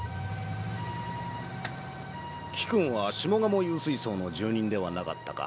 貴君は下鴨幽水荘の住人ではなかったか？